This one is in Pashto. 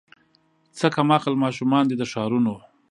څه کم عقل ماشومان دي د ښارونو